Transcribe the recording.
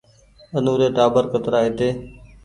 آنو ري ٽآٻر ڪترآ هيتي